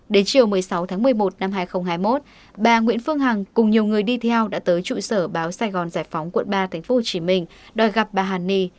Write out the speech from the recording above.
đến chiều một mươi sáu tháng một mươi một năm hai nghìn hai mươi một bà nguyễn phương hằng cùng nhiều người đi theo đã tới trụ sở báo sài gòn giải phóng quận ba tp hcm đòi gặp bà hàn ni